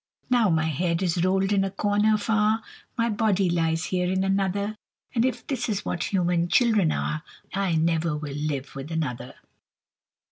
Now my head is rolled in a corner far, My body lies here in another; And if this is what human children are, I never will live with another.